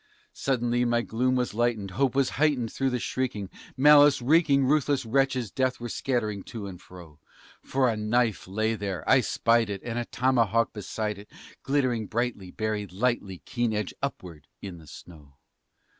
Suddenly my gloom was lightened, hope was heightened, though the shrieking, Malice wreaking, ruthless wretches death were scattering to and fro; For a knife lay there I spied it, and a tomahawk beside it Glittering brightly, buried lightly, keen edge upward, in the snow.